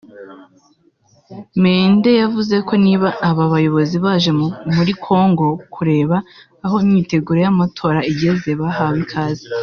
Mende yavuze ko niba aba bayobozi baje muri Kongo kureba aho imyiteguro y’amatora igeze bahawe ikaze